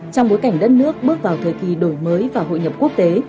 trong bối cảnh đất nước bước vào thời kỳ đổi mới và hội nhập quốc tế